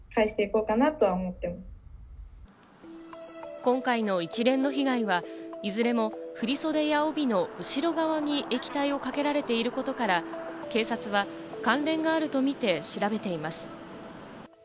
今回の一連の被害は、いずれも振り袖や帯の後ろ側に液体をかけられていることから、警察は関連があるとみて調べています。